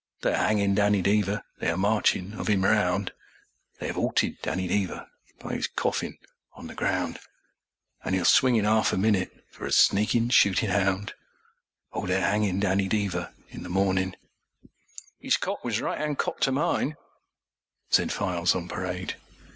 They are hangin' Danny Deever, they are marchin' of 'im round, They 'ave 'alted Danny Deever by 'is coffin on the ground; An' 'e'll swing in 'arf a minute for a sneakin' shootin' hound O they're hangin' Danny Deever in the mornin'! â'Is cot was right 'and cot to mineâ, said Files on Parade.